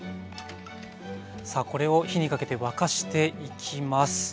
さあこれを火にかけて沸かしていきます。